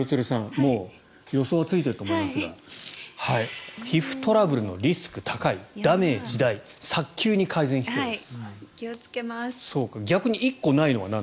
もう予想はついていると思いますが皮膚トラブルのリスク高いダメージ大早急に改善が必要です。